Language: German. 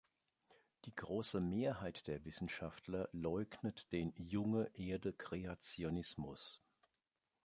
Die große Mehrheit der Wissenschaftler leugnet den Junge-Erde-Kreationismus.